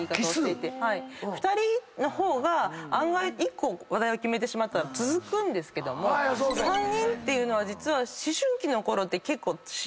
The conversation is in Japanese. ２人の方が案外１個話題を決めたら続くんですけども３人っていうのは思春期のころって結構しんどくて。